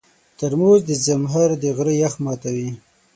ترموز د زمهر د غره یخ ماتوي.